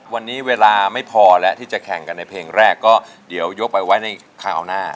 วันนี้เวลาไม่พอแล้วที่จะแข่งกันในเพลงแรกก็เดี๋ยวยกไปไว้ในคราวหน้า